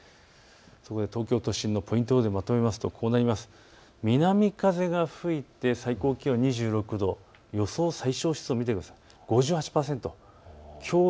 東京都心のポイント予報でまとめますと南風が吹いて最高気温２６度、予想最小湿度、見てください。